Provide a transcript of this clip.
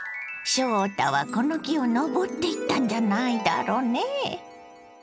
翔太はこの木を登っていったんじゃないだろねぇ。